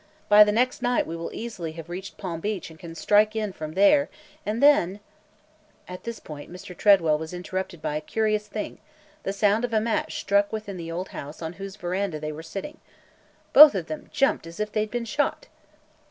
By the next night we will easily have reached Palm Beach and can strike in from there, and then –" At this point, Mr. Tredwell was interrupted by a curious thing – the sound of a match struck within the old house on whose veranda they were sitting. Both of them jumped as if they had been shot.